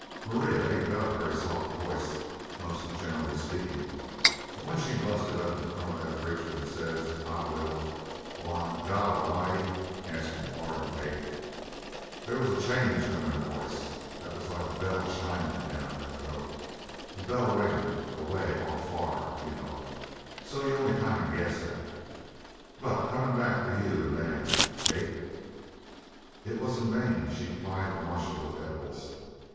Maria ain't got a very soft voice, most generally speakin', but when she busted up in front of that preacher and says 'I will,' why, God A'mighty askin' your pardon, Kate they was a change come in her voice that was like a bell chimin' down in her throat a bell ringin' away off far, you know, so's you only kind of guess at it! But comin' back to you and Dan, Kate " It was in vain she plied the marshal with edibles.